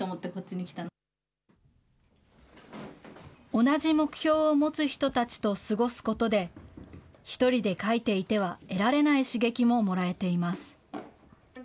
同じ目標を持つ人たちと過ごすことで、１人で描いていては得られない刺激ももらえています。